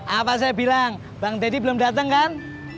apa saya bilang bang deddy belum datang kan